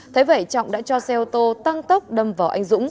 thế vậy trọng đã cho xe ô tô tăng tốc đâm vào anh dũng